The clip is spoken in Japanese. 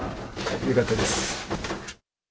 よかったです。